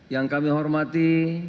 yang kami hormati